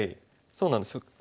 そうなんです。